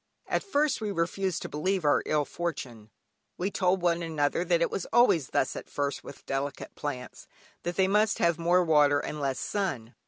At first we refused to believe our ill fortune; we told one another that it was always thus at first with delicate plants, that they must have more water and less sun.